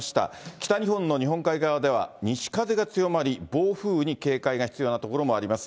北日本の日本海側では西風が強まり、暴風雨に警戒が必要な所もあります。